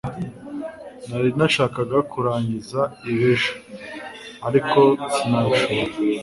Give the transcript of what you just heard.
nari nashakaga kurangiza ibi ejo, ariko sinabishobora